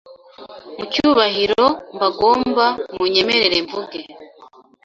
Mu cyubahiro mbagomba munyemere mvuge